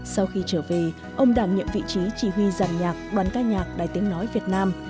sau khi trở về ông đảm nhiệm vị trí chỉ huy giàn nhạc đoàn ca nhạc đài tiếng nói việt nam